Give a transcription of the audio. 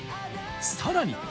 さらに。